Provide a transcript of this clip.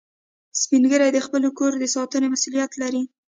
سپین ږیری د خپلو کورو د ساتنې مسئولیت لري